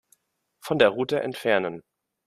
Von der Route entfernen.